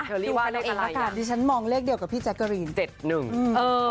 เธอรี่ว่าเลขอะไรอย่างดิฉันมองเลขเดียวกับพี่แจ๊กกะรีนเจ็ดหนึ่งเออ